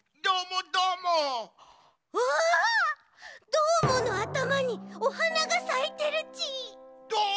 どーものあたまにおはながさいてるち！